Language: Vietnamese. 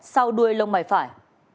sau đuôi lông mày phải